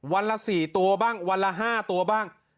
วันละ๔ตัวบ้างวันละ๕ตัวบ้าง